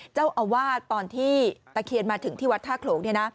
เจ้าอาวาสตอนที่ตะเคียนมาถึงที่วัดท่าโขลง